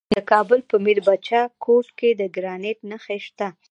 د کابل په میربچه کوټ کې د ګرانیټ نښې شته.